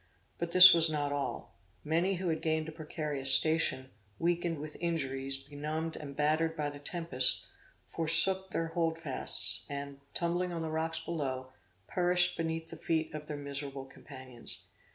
But this was not all. Many who had gained a precarious station, weakened with injuries, benumbed and battered by the tempest, forsook their hold fasts, and, tumbling on the rocks below, perished beneath the feet of their miserable companions.